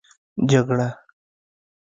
جگړه